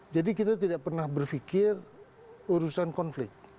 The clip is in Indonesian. jadi kita tidak pernah berpikir urusan konflik